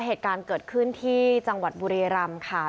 เหตุการณ์เกิดขึ้นที่จังหวัดบุรีรำค่ะ